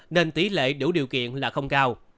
nên tỷ lệ đủ điều kiện là không cao